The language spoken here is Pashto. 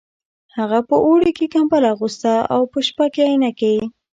هغه په اوړي کې کمبله اغوسته او په شپه کې عینکې